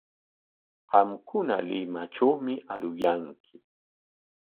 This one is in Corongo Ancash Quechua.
Qamkuna Limatrawmi aruyanki.